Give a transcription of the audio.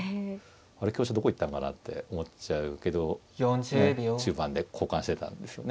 あれ香車どこ行ったんかなって思っちゃうけど中盤で交換してたんですよね。